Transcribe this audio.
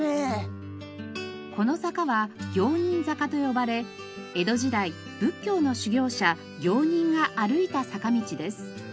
この坂は行人坂と呼ばれ江戸時代仏教の修行者行人が歩いた坂道です。